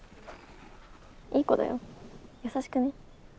いい子だよ優しくね。